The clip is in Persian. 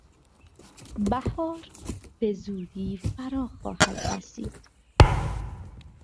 بهار بزودی فرا خواهد رسید.